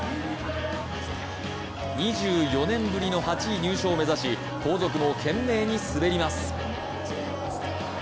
２４年ぶりの８位入賞を目指し後続も懸命に滑ります。